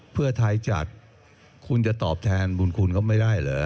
เพื่อไทยจัดคุณจะตอบแทนบุญคุณเขาไม่ได้เหรอ